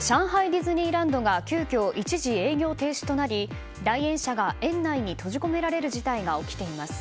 ディズニーランドが急きょ、一時営業停止となり来園者が園内に閉じ込められる事態が起きています。